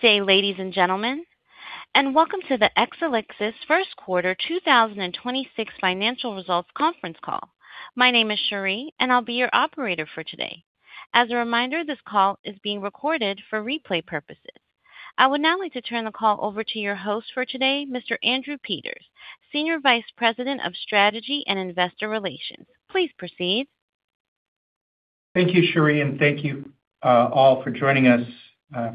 Day, ladies and gentlemen, welcome to the Exelixis First Quarter 2026 Financial Results Conference Call. My name is Sheree, and I'll be your operator for today. As a reminder, this call is being recorded for replay purposes. I would now like to turn the call over to your host for today, Mr. Andrew Peters, Senior Vice President of Strategy and Investor Relations. Please proceed. Thank you, Sheree, and thank you all for joining us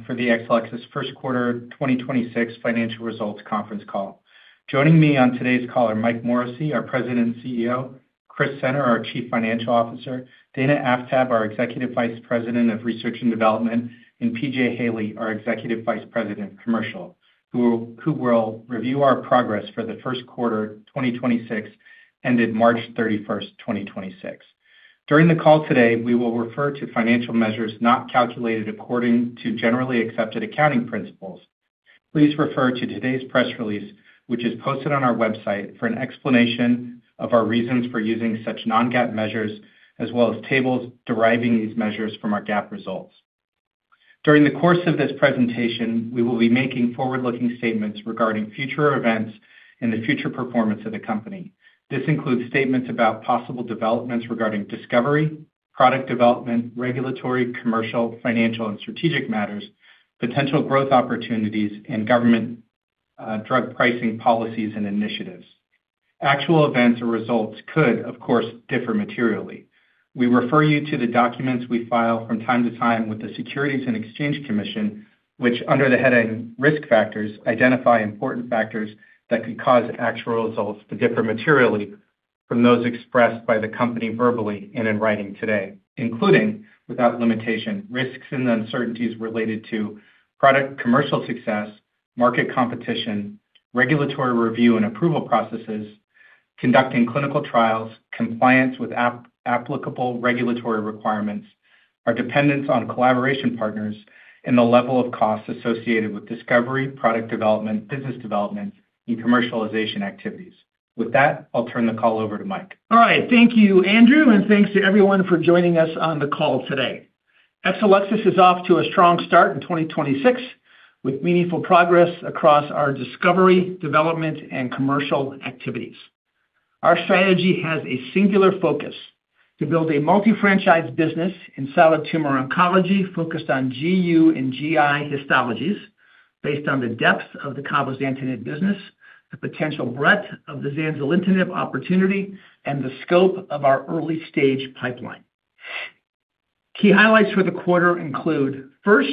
for the Exelixis First Quarter 2026 Financial Results Conference Call. Joining me on today's call are Mike Morrissey, our President and CEO, Chris Senner, our Chief Financial Officer, Dana Aftab, our Executive Vice President of Research and Development, and P.J. Haley, our Executive Vice President, Commercial, who will review our progress for the first quarter 2026 ended March 31st, 2026. During the call today, we will refer to financial measures not calculated according to Generally Accepted Accounting Principles. Please refer to today's press release, which is posted on our website, for an explanation of our reasons for using such non-GAAP measures as well as tables deriving these measures from our GAAP results. During the course of this presentation, we will be making forward-looking statements regarding future events and the future performance of the company. This includes statements about possible developments regarding discovery, product development, regulatory, commercial, financial, and strategic matters, potential growth opportunities, and government drug pricing policies and initiatives. Actual events or results could, of course, differ materially. We refer you to the documents we file from time to time with the Securities and Exchange Commission, which under the heading Risk Factors, identify important factors that could cause actual results to differ materially from those expressed by the company verbally and in writing today, including, without limitation, risks and uncertainties related to product commercial success, market competition, regulatory review and approval processes, conducting clinical trials, compliance with applicable regulatory requirements, our dependence on collaboration partners, and the level of costs associated with discovery, product development, business development, and commercialization activities. With that, I'll turn the call over to Mike. All right. Thank you, Andrew, and thanks to everyone for joining us on the call today. Exelixis is off to a strong start in 2026 with meaningful progress across our discovery, development, and commercial activities. Our strategy has a singular focus to build a multi-franchise business in solid tumor oncology focused on GU and GI histologies based on the depth of the cabozantinib business, the potential breadth of the zanzalintinib opportunity, and the scope of our early-stage pipeline. Key highlights for the quarter include, first,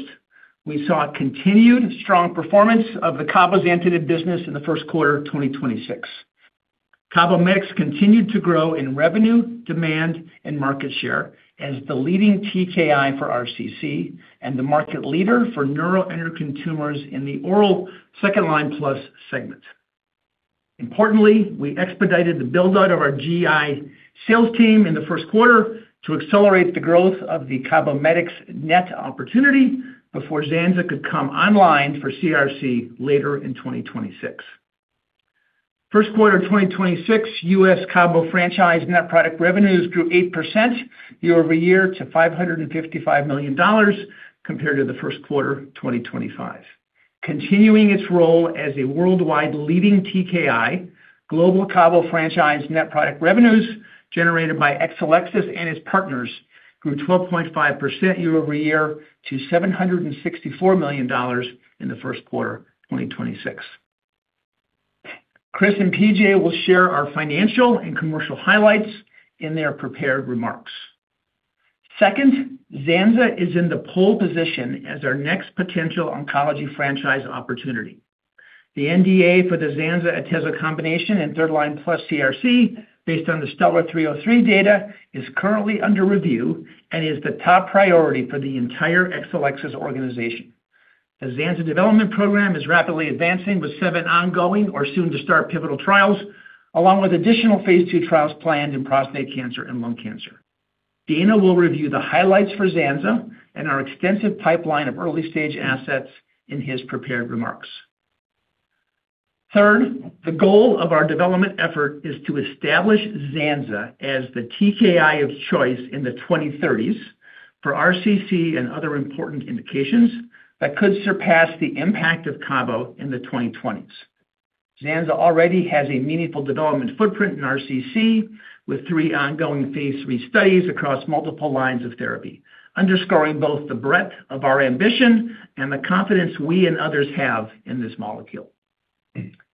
we saw continued strong performance of the cabozantinib business in the first quarter of 2026. CABOMETYX continued to grow in revenue, demand, and market share as the leading TKI for RCC and the market leader for neuroendocrine tumors in the oral second-line plus segment. Importantly, we expedited the build-out of our GI sales team in the first quarter to accelerate the growth of the CABOMETYX net opportunity before ZANZA could come online for CRC later in 2026. First quarter 2026, U.S. CABO franchise net product revenues grew 8% year-over-year to $555 million compared to the first quarter 2025. Continuing its role as a worldwide leading TKI, global CABO franchise net product revenues generated by Exelixis and its partners grew 12.5% year-over-year to $764 million in the first quarter 2026. Chris and P.J. will share our financial and commercial highlights in their prepared remarks. Second, ZANZA is in the pole position as our next potential oncology franchise opportunity. The NDA for the ZANZA/atezo combination in third-line plus CRC based on the STELLAR-303 data is currently under review and is the top priority for the entire Exelixis organization. The ZANZA development program is rapidly advancing with seven ongoing or soon to start pivotal trials, along with additional phase II trials planned in prostate cancer and lung cancer. Dana will review the highlights for ZANZA and our extensive pipeline of early-stage assets in his prepared remarks. Third, the goal of our development effort is to establish ZANZA as the TKI of choice in the 2030s for RCC and other important indications that could surpass the impact of CABO in the 2020s. ZANZA already has a meaningful development footprint in RCC with three ongoing phase III studies across multiple lines of therapy, underscoring both the breadth of our ambition and the confidence we and others have in this molecule.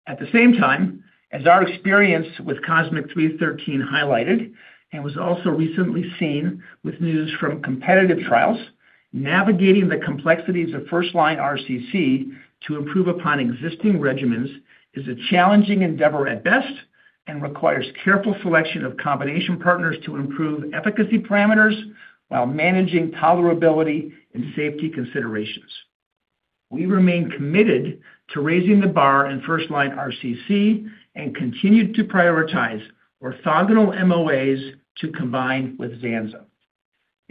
At the same time, as our experience with COSMIC-313 highlighted and was also recently seen with news from competitive trials, navigating the complexities of first-line RCC to improve upon existing regimens is a challenging endeavor at best and requires careful selection of combination partners to improve efficacy parameters while managing tolerability and safety considerations. We remain committed to raising the bar in first-line RCC and continue to prioritize orthogonal MOAs to combine with ZANZA.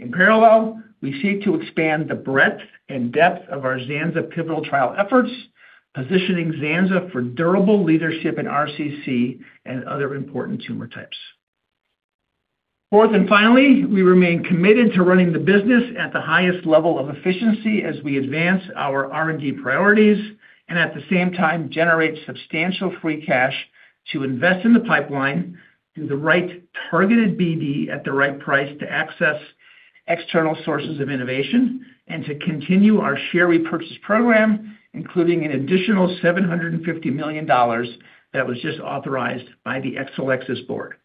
In parallel, we seek to expand the breadth and depth of our ZANZA pivotal trial efforts, positioning ZANZA for durable leadership in RCC and other important tumor types. Fourth, finally, we remain committed to running the business at the highest level of efficiency as we advance our R&D priorities and at the same time generate substantial free cash to invest in the pipeline through the right targeted BD at the right price to access external sources of innovation and to continue our share repurchase program, including an additional $750 million that was just authorized by the Exelixis board.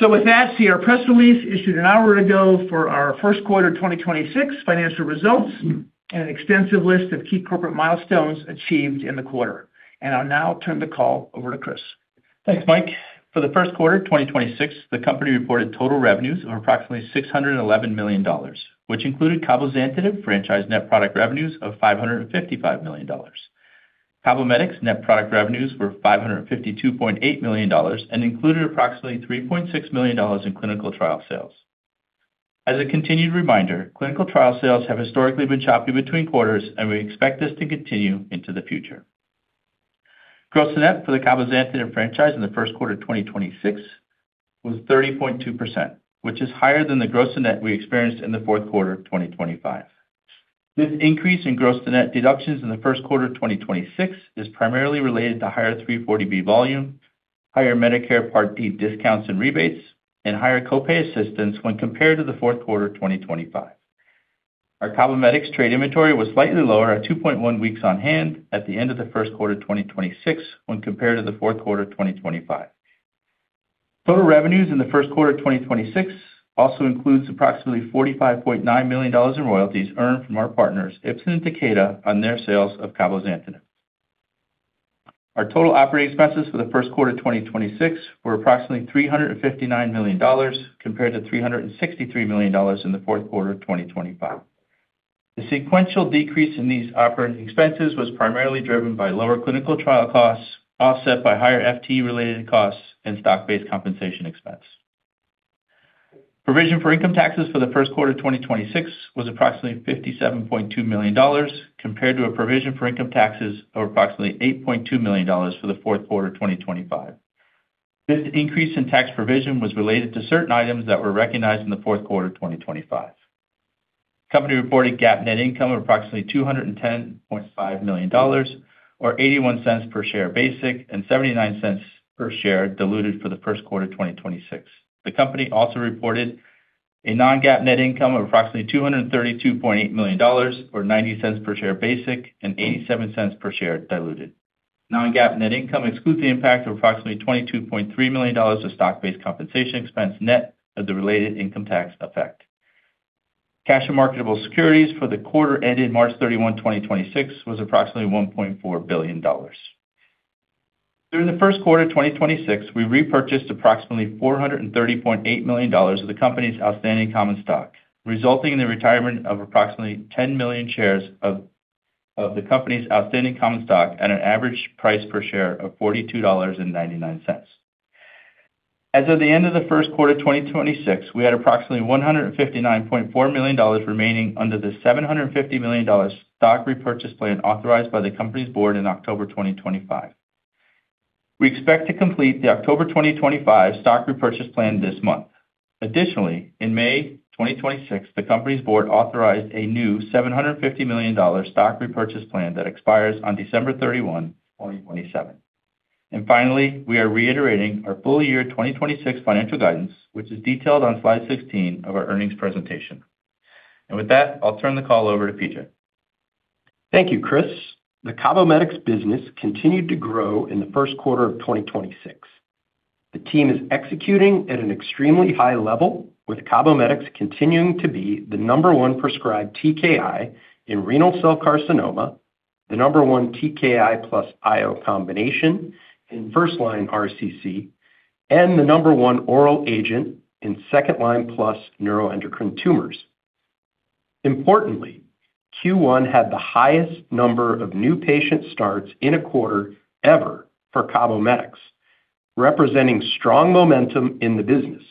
With that, see our press release issued an hour ago for our first quarter 2026 financial results and an extensive list of key corporate milestones achieved in the quarter. I'll now turn the call over to Chris. Thanks, Mike. For the first quarter 2026, the company reported total revenues of approximately $611 million, which included cabozantinib franchise net product revenues of $555 million. CABOMETYX net product revenues were $552.8 million and included approximately $3.6 million in clinical trial sales. As a continued reminder, clinical trial sales have historically been choppy between quarters, and we expect this to continue into the future. Gross to net for the cabozantinib franchise in the first quarter of 2026 was 30.2%, which is higher than the gross to net we experienced in the fourth quarter of 2025. This increase in gross to net deductions in the first quarter of 2026 is primarily related to higher 340B volume, higher Medicare Part D discounts and rebates, and higher co-pay assistance when compared to the fourth quarter of 2025. Our CABOMETYX trade inventory was slightly lower at 2.1 weeks on hand at the end of the first quarter of 2026 when compared to the fourth quarter of 2025. Total revenues in the first quarter of 2026 also includes approximately $45.9 million in royalties earned from our partners, Ipsen and Takeda, on their sales of cabozantinib. Our total operating expenses for the first quarter of 2026 were approximately $359 million compared to $363 million in the fourth quarter of 2025. The sequential decrease in these operating expenses was primarily driven by lower clinical trial costs, offset by higher FT-related costs and stock-based compensation expense. Provision for income taxes for the first quarter of 2026 was approximately $57.2 million, compared to a provision for income taxes of approximately $8.2 million for the fourth quarter of 2025. This increase in tax provision was related to certain items that were recognized in the fourth quarter of 2025. Company reported GAAP net income of approximately $210.5 million, or $0.81 per share basic and $0.79 per share diluted for the first quarter of 2026. The company also reported a non-GAAP net income of approximately $232.8 million, or $0.90 per share basic and $0.87 per share diluted. Non-GAAP net income excludes the impact of approximately $22.3 million of stock-based compensation expense net of the related income tax effect. Cash and marketable securities for the quarter ended March 31, 2026 was approximately $1.4 billion. During the first quarter of 2026, we repurchased approximately $430.8 million of the company's outstanding common stock, resulting in the retirement of approximately 10 million shares of the company's outstanding common stock at an average price per share of $42.99. As of the end of the first quarter of 2026, we had approximately $159.4 million remaining under the $750 million stock repurchase plan authorized by the company's board in October 2025. We expect to complete the October 2025 stock repurchase plan this month. Additionally, in May 2026, the company's board authorized a new $750 million stock repurchase plan that expires on December 31, 2027. Finally, we are reiterating our full-year 2026 financial guidance, which is detailed on slide 16 of our earnings presentation. With that, I'll turn the call over to P.J. Thank you, Chris. The CABOMETYX business continued to grow in the first quarter of 2026. The team is executing at an extremely high level, with CABOMETYX continuing to be the number one prescribed TKI in renal cell carcinoma, the number one TKI plus IO combination in first line RCC, and the number one oral agent in second line plus neuroendocrine tumors. Importantly, Q1 had the highest number of new patient starts in a quarter ever for CABOMETYX, representing strong momentum in the business.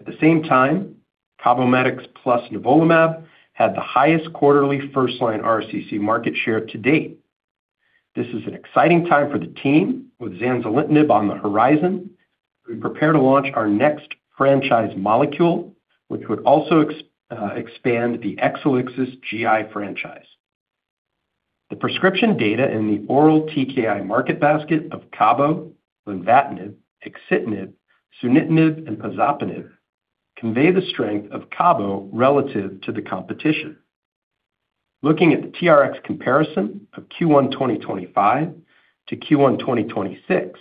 At the same time, CABOMETYX plus nivolumab had the highest quarterly first-line RCC market share to date. This is an exciting time for the team with zanzalintinib on the horizon as we prepare to launch our next franchise molecule, which would also expand the Exelixis GI franchise. The prescription data in the oral TKI market basket of CABO, lenvatinib, axitinib, sunitinib, and pazopanib convey the strength of CABO relative to the competition. Looking at the TRX comparison of Q1 2025 to Q1 2026,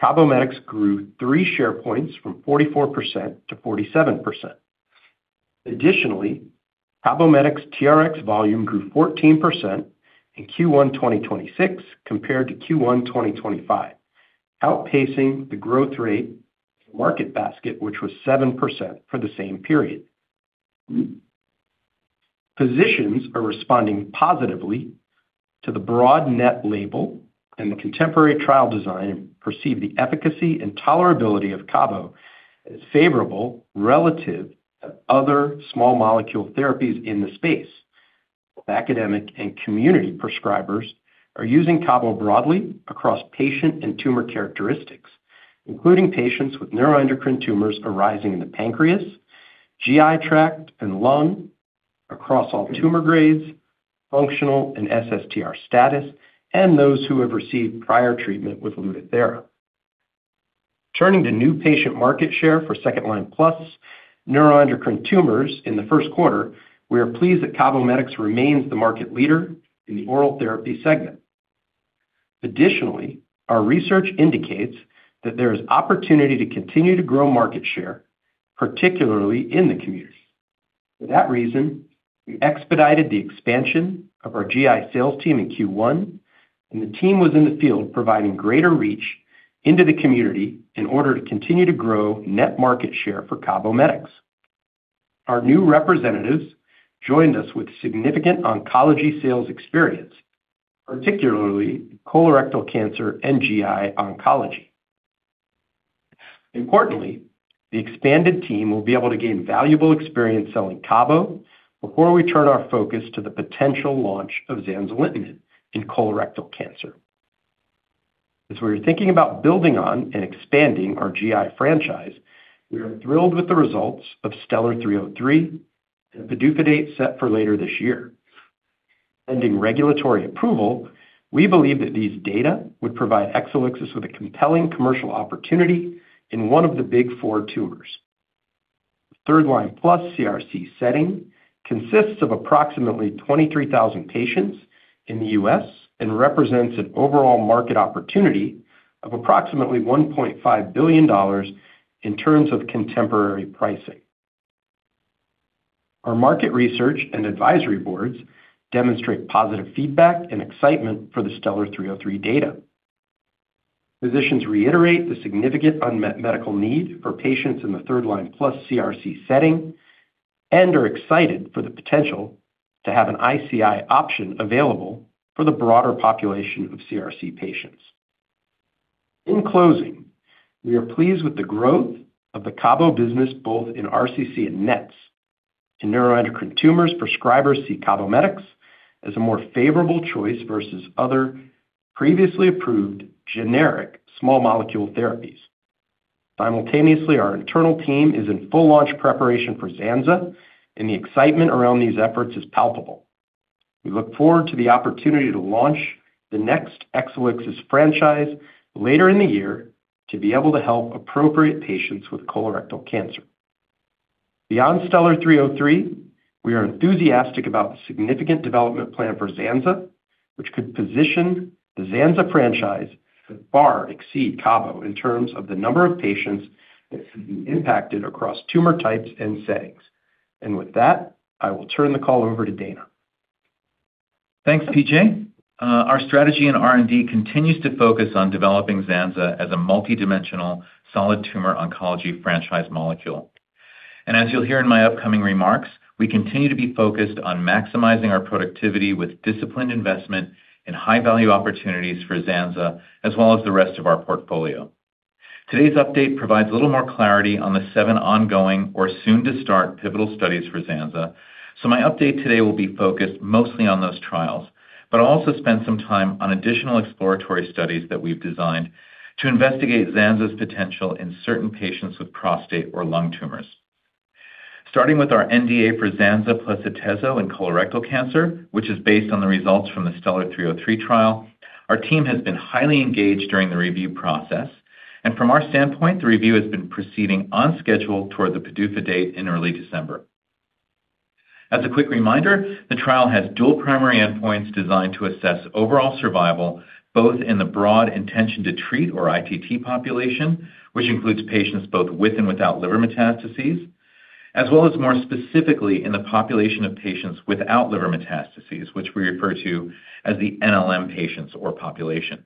CABOMETYX grew 3 share points from 44% to 47%. Additionally, CABOMETYX TRX volume grew 14% in Q1 2026 compared to Q1 2025, outpacing the growth rate of the market basket, which was 7% for the same period. Physicians are responding positively to the broad net label and the contemporary trial design and perceive the efficacy and tolerability of CABO as favorable relative to other small molecule therapies in the space. Academic and community prescribers are using CABO broadly across patient and tumor characteristics, including patients with neuroendocrine tumors arising in the pancreas, GI tract, and lung, across all tumor grades, functional and SSTR status, and those who have received prior treatment with LUTATHERA. Turning to new patient market share for second-line plus neuroendocrine tumors in the first quarter, we are pleased that CABOMETYX remains the market leader in the oral therapy segment. Additionally, our research indicates that there is opportunity to continue to grow market share, particularly in the community. For that reason, we expedited the expansion of our GI sales team in Q1. The team was in the field providing greater reach into the community in order to continue to grow net market share for CABOMETYX. Our new representatives joined us with significant oncology sales experience, particularly colorectal cancer and GI oncology. Importantly, the expanded team will be able to gain valuable experience selling CABO before we turn our focus to the potential launch of zanzalintinib in colorectal cancer. As we are thinking about building on and expanding our GI franchise, we are thrilled with the results of STELLAR-303 and the PDUFA date set for later this year. Pending regulatory approval, we believe that these data would provide Exelixis with a compelling commercial opportunity in one of the big four tumors. The third-line plus CRC setting consists of approximately 23,000 patients in the U.S. and represents an overall market opportunity of approximately $1.5 billion in terms of contemporary pricing. Our market research and advisory boards demonstrate positive feedback and excitement for the STELLAR-303 data. Physicians reiterate the significant unmet medical need for patients in the third-line plus CRC setting and are excited for the potential to have an ICI option available for the broader population of CRC patients. In closing, we are pleased with the growth of the CABO business both in RCC and NETS. In neuroendocrine tumors, prescribers see CABOMETYX as a more favorable choice versus other previously approved generic small molecule therapies. Simultaneously, our internal team is in full launch preparation for ZANZA, and the excitement around these efforts is palpable. We look forward to the opportunity to launch the next Exelixis franchise later in the year to be able to help appropriate patients with colorectal cancer. Beyond STELLAR-303, we are enthusiastic about the significant development plan for ZANZA, which could position the ZANZA franchise to far exceed CABO in terms of the number of patients that could be impacted across tumor types and settings. With that, I will turn the call over to Dana. Thanks, P.J. Our strategy in R&D continues to focus on developing ZANZA as a multidimensional solid tumor oncology franchise molecule. As you'll hear in my upcoming remarks, we continue to be focused on maximizing our productivity with disciplined investment in high-value opportunities for ZANZA as well as the rest of our portfolio. Today's update provides a little more clarity on the seven ongoing or soon-to-start pivotal studies for ZANZA. My update today will be focused mostly on those trials, but I'll also spend some time on additional exploratory studies that we've designed to investigate ZANZA's potential in certain patients with prostate or lung tumors. Starting with our NDA for ZANZA plus atezo in colorectal cancer, which is based on the results from the STELLAR-303 trial, our team has been highly engaged during the review process. From our standpoint, the review has been proceeding on schedule toward the PDUFA date in early December. As a quick reminder, the trial has dual primary endpoints designed to assess overall survival, both in the broad intention to treat or ITT population, which includes patients both with and without liver metastases, as well as more specifically in the population of patients without liver metastases, which we refer to as the NLM patients or population.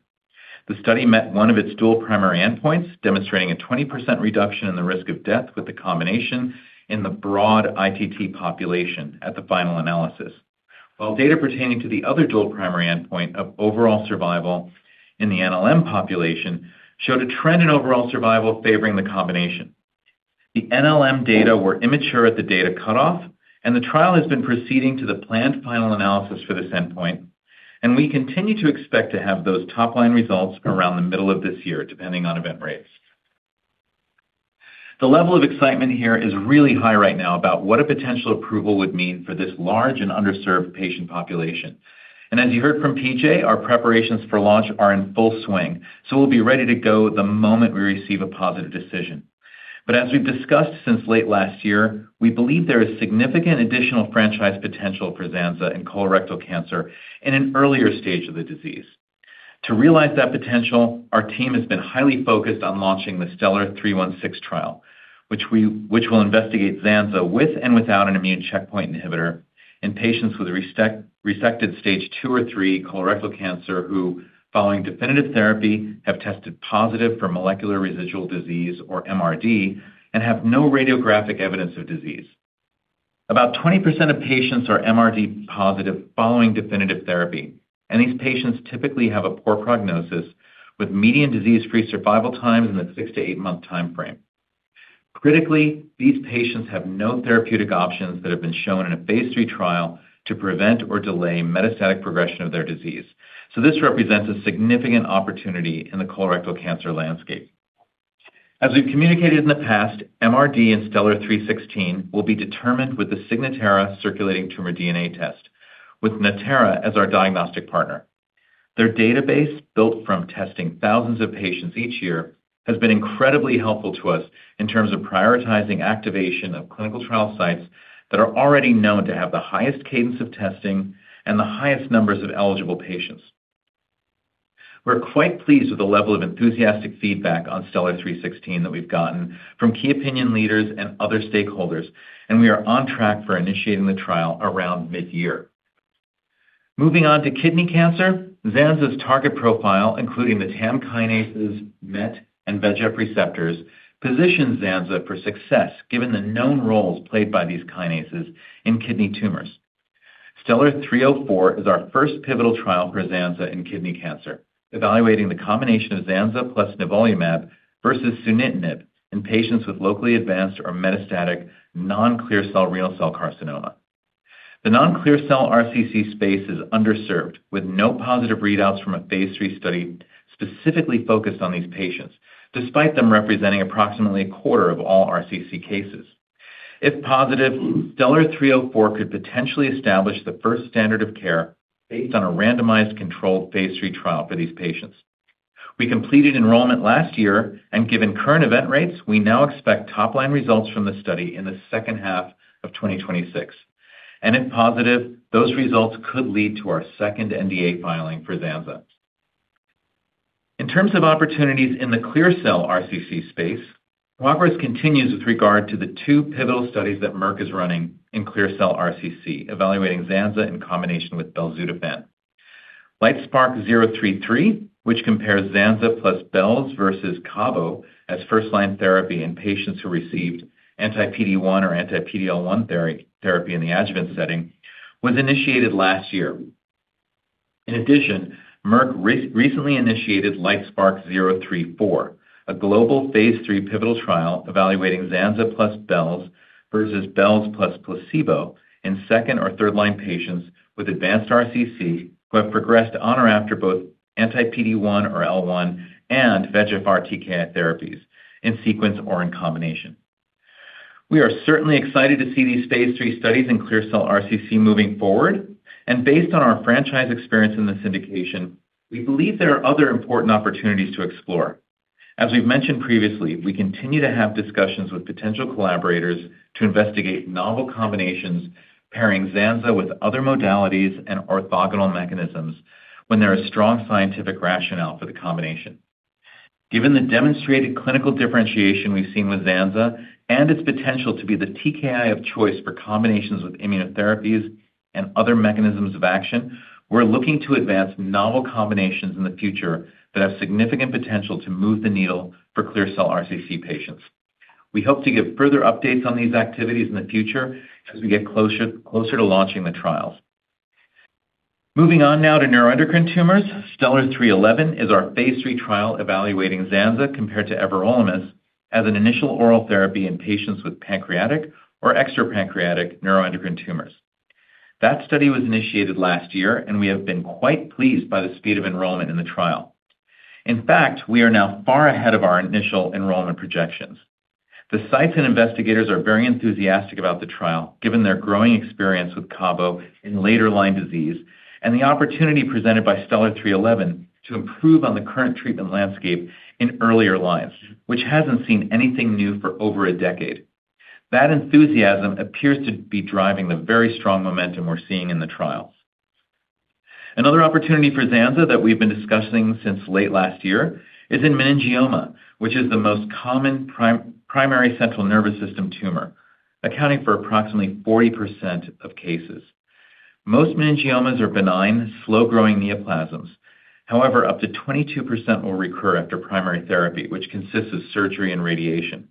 The study met one of its dual primary endpoints, demonstrating a 20% reduction in the risk of death with the combination in the broad ITT population at the final analysis. While data pertaining to the other dual primary endpoint of overall survival in the NLM population showed a trend in overall survival favoring the combination. The NLM data were immature at the data cutoff. The trial has been proceeding to the planned final analysis for this endpoint. We continue to expect to have those top-line results around the middle of this year, depending on event rates. The level of excitement here is really high right now about what a potential approval would mean for this large and underserved patient population. As you heard from P.J., our preparations for launch are in full swing. We'll be ready to go the moment we receive a positive decision. As we've discussed since late last year, we believe there is significant additional franchise potential for ZANZA in colorectal cancer in an earlier stage of the disease. To realize that potential, our team has been highly focused on launching the STELLAR-316 trial, which will investigate ZANZA with and without an immune checkpoint inhibitor in patients with resected stage two or three colorectal cancer who, following definitive therapy, have tested positive for molecular residual disease, or MRD, and have no radiographic evidence of disease. About 20% of patients are MRD positive following definitive therapy, and these patients typically have a poor prognosis, with median disease-free survival times in the six to eight-month time frame. Critically, these patients have no therapeutic options that have been shown in a phase III trial to prevent or delay metastatic progression of their disease. This represents a significant opportunity in the colorectal cancer landscape. As we've communicated in the past, MRD in STELLAR-316 will be determined with the Signatera circulating tumor DNA test with Natera as our diagnostic partner. Their database, built from testing thousands of patients each year, has been incredibly helpful to us in terms of prioritizing activation of clinical trial sites that are already known to have the highest cadence of testing and the highest numbers of eligible patients. We're quite pleased with the level of enthusiastic feedback on STELLAR-316 that we've gotten from key opinion leaders and other stakeholders, and we are on track for initiating the trial around mid-year. Moving on to kidney cancer, ZANZA's target profile, including the TAM kinases MET and VEGF receptors, positions ZANZA for success given the known roles played by these kinases in kidney tumors. STELLAR-304 is our first pivotal trial for ZANZA in kidney cancer, evaluating the combination of ZANZA plus nivolumab versus sunitinib in patients with locally advanced or metastatic non-clear cell renal cell carcinoma. The non-clear cell RCC space is underserved, with no positive readouts from a phase III study specifically focused on these patients, despite them representing approximately a quarter of all RCC cases. If positive, STELLAR-304 could potentially establish the first standard of care based on a randomized controlled phase III trial for these patients. We completed enrollment last year, given current event rates, we now expect top-line results from the study in the second half of 2026. If positive, those results could lead to our second NDA filing for ZANZA. In terms of opportunities in the clear cell RCC space, progress continues with regard to the two pivotal studies that Merck is running in clear cell RCC, evaluating ZANZA in combination with belzutifan. LITESPARK-033, which compares ZANZA plus belzutifan versus CABO as first-line therapy in patients who received anti-PD-1 or anti-PD-L1 therapy in the adjuvant setting, was initiated last year. In addition, Merck recently initiated LITESPARK-034, a global phase III pivotal trial evaluating ZANZA plus belz versus belz plus placebo in second or third-line patients with advanced RCC who have progressed on or after both anti-PD-1 or PD-L1 and VEGF RTK therapies in sequence or in combination. We are certainly excited to see these phase III studies in clear cell RCC moving forward. Based on our franchise experience in this indication, we believe there are other important opportunities to explore. As we've mentioned previously, we continue to have discussions with potential collaborators to investigate novel combinations pairing ZANZA with other modalities and orthogonal mechanisms when there is strong scientific rationale for the combination. Given the demonstrated clinical differentiation we've seen with ZANZA and its potential to be the TKI of choice for combinations with immunotherapies and other mechanisms of action, we're looking to advance novel combinations in the future that have significant potential to move the needle for clear cell RCC patients. We hope to give further updates on these activities in the future as we get closer to launching the trials. Moving on now to neuroendocrine tumors, STELLAR-311 is our phase III trial evaluating ZANZA compared to everolimus as an initial oral therapy in patients with pancreatic or extra-pancreatic neuroendocrine tumors. That study was initiated last year. We have been quite pleased by the speed of enrollment in the trial. In fact, we are now far ahead of our initial enrollment projections. The sites and investigators are very enthusiastic about the trial, given their growing experience with CABO in later-line disease and the opportunity presented by STELLAR-311 to improve on the current treatment landscape in earlier lines, which hasn't seen anything new for over a decade. That enthusiasm appears to be driving the very strong momentum we're seeing in the trial. Another opportunity for ZANZA that we've been discussing since late last year is in meningioma, which is the most common primary central nervous system tumor, accounting for approximately 40% of cases. Most meningiomas are benign, slow-growing neoplasms. However, up to 22% will recur after primary therapy, which consists of surgery and radiation.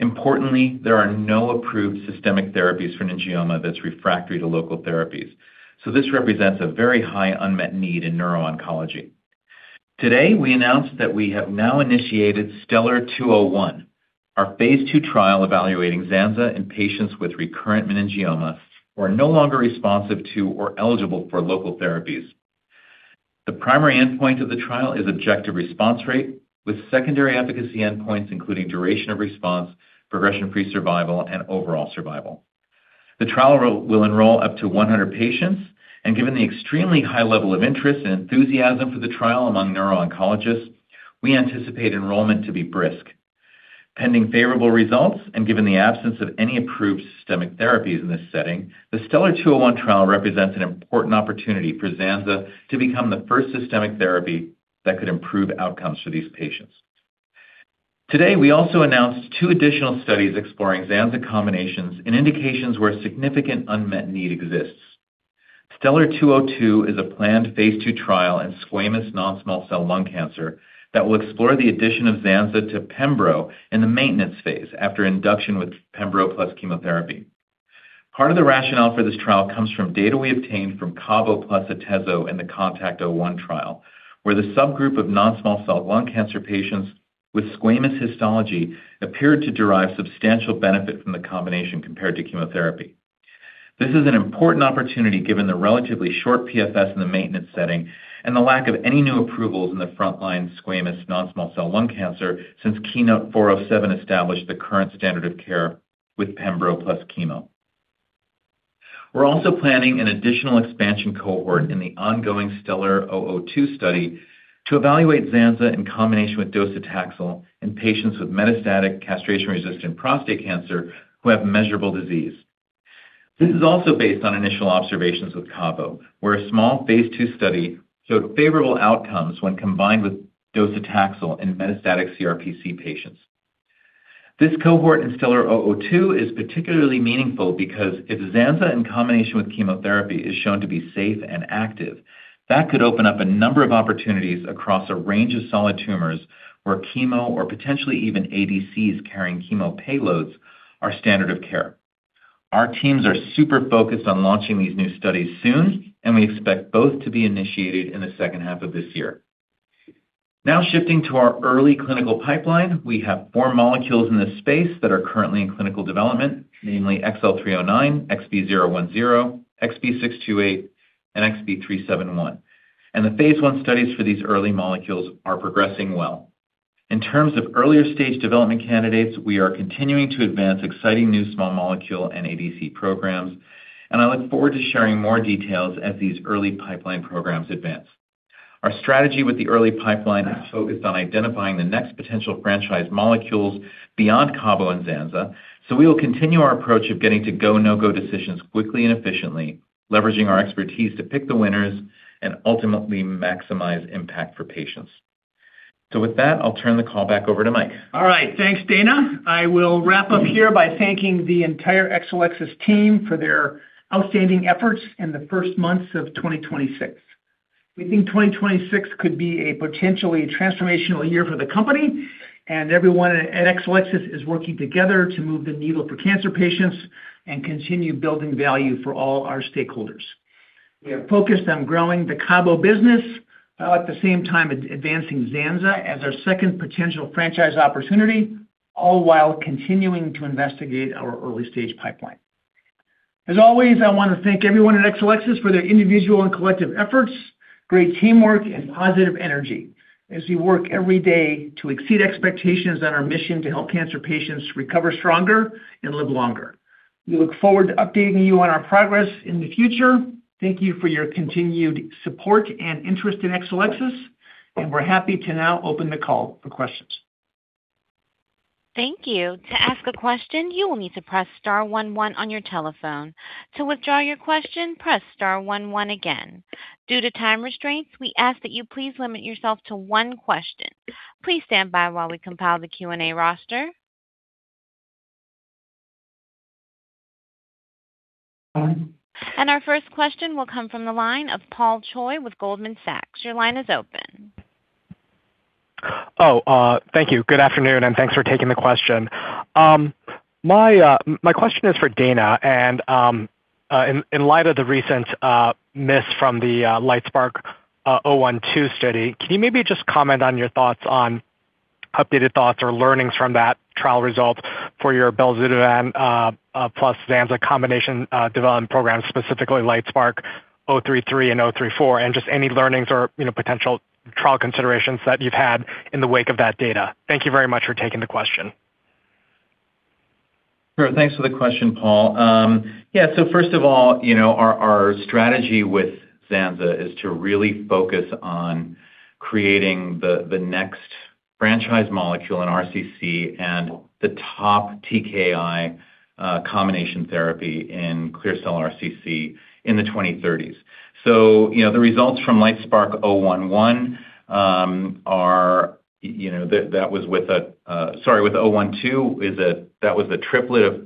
Importantly, there are no approved systemic therapies for meningioma that's refractory to local therapies, so this represents a very high unmet need in neuro-oncology. Today, we announced that we have now initiated STELLAR-201, our phase II trial evaluating ZANZA in patients with recurrent meningioma who are no longer responsive to or eligible for local therapies. The primary endpoint of the trial is objective response rate with secondary efficacy endpoints including duration of response, progression-free survival, and overall survival. The trial will enroll up to 100 patients, and given the extremely high level of interest and enthusiasm for the trial among neuro-oncologists, we anticipate enrollment to be brisk. Pending favorable results and given the absence of any approved systemic therapies in this setting, the STELLAR-201 trial represents an important opportunity for ZANZA to become the first systemic therapy that could improve outcomes for these patients. Today, we also announced two additional studies exploring ZANZA combinations in indications where significant unmet need exists. STELLAR-202 is a planned phase II trial in squamous non-small cell lung cancer that will explore the addition of ZANZA to pembro in the maintenance phase after induction with pembro plus chemotherapy. Part of the rationale for this trial comes from data we obtained from CABO plus atezo in the CONTACT-01 trial, where the subgroup of non-small cell lung cancer patients with squamous histology appeared to derive substantial benefit from the combination compared to chemotherapy. This is an important opportunity given the relatively short PFS in the maintenance setting and the lack of any new approvals in the frontline squamous non-small cell lung cancer since KEYNOTE-407 established the current standard of care with pembro plus chemo. We're also planning an additional expansion cohort in the ongoing STELLAR-002 study to evaluate ZANZA in combination with docetaxel in patients with metastatic castration-resistant prostate cancer who have measurable disease. This is also based on initial observations with CABO, where a small phase II study showed favorable outcomes when combined with docetaxel in metastatic CRPC patients. This cohort in STELLAR-002 is particularly meaningful because if ZANZA in combination with chemotherapy is shown to be safe and active, that could open up a number of opportunities across a range of solid tumors where chemo or potentially even ADCs carrying chemo payloads are standard of care. Our teams are super focused on launching these new studies soon, we expect both to be initiated in the second half of this year. Shifting to our early clinical pipeline, we have four molecules in this space that are currently in clinical development, namely XL309, XB010, XB628, and XB371. The phase I studies for these early molecules are progressing well. In terms of earlier stage development candidates, we are continuing to advance exciting new small molecule and ADC programs, I look forward to sharing more details as these early pipeline programs advance. Our strategy with the early pipeline is focused on identifying the next potential franchise molecules beyond CABO and ZANZA, we will continue our approach of getting to go/no-go decisions quickly and efficiently, leveraging our expertise to pick the winners and ultimately maximize impact for patients. With that, I'll turn the call back over to Mike. All right. Thanks, Dana. I will wrap up here by thanking the entire Exelixis team for their outstanding efforts in the first months of 2026. We think 2026 could be a potentially transformational year for the company, and everyone at Exelixis is working together to move the needle for cancer patients and continue building value for all our stakeholders. We are focused on growing the CABO business, at the same time advancing ZANZA as our second potential franchise opportunity, all while continuing to investigate our early-stage pipeline. As always, I wanna thank everyone at Exelixis for their individual and collective efforts, great teamwork, and positive energy as you work every day to exceed expectations on our mission to help cancer patients recover stronger and live longer. We look forward to updating you on our progress in the future. Thank you for your continued support and interest in Exelixis. We're happy to now open the call for questions. Our first question will come from the line of Paul Choi with Goldman Sachs. Your line is open. Thank you. Good afternoon, and thanks for taking the question. My question is for Dana, in light of the recent miss from the LITESPARK-012 study, can you maybe just comment on your thoughts on updated thoughts or learnings from that trial result for your belzutifan plus ZANZA combination development program, specifically LITESPARK-033 and LITESPARK-034, and just any learnings or, you know, potential trial considerations that you've had in the wake of that data? Thank you very much for taking the question. Sure. Thanks for the question, Paul. First of all, you know, our strategy with ZANZA is to really focus on creating the next franchise molecule in RCC and the top TKI combination therapy in clear cell RCC in the 2030s. You know, the results from LITESPARK-011, you know, that was with LITESPARK-012, that was a triplet of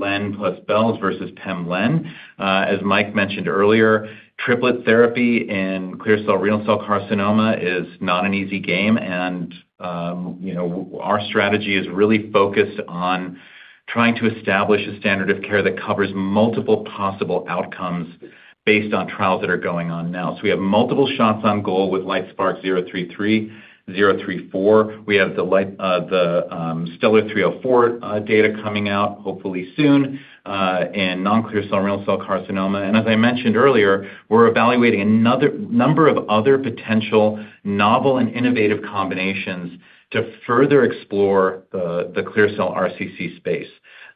pembro plus belzutifan versus pembro. As Mike mentioned earlier, triplet therapy in clear cell renal cell carcinoma is not an easy game, you know, our strategy is really focused on trying to establish a standard of care that covers multiple possible outcomes based on trials that are going on now. We have multiple shots on goal with LITESPARK-033, LITESPARK-034. We have the STELLAR-304 data coming out hopefully soon in non-clear cell renal cell carcinoma. As I mentioned earlier, we're evaluating another number of other potential novel and innovative combinations to further explore the clear cell RCC space.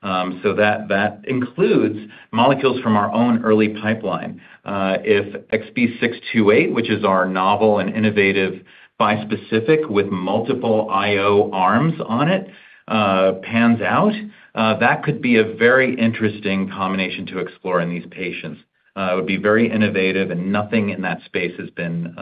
That includes molecules from our own early pipeline. If XB628, which is our novel and innovative bispecific with multiple IO arms on it, pans out, that could be a very interesting combination to explore in these patients. It would be very innovative and nothing in that space has been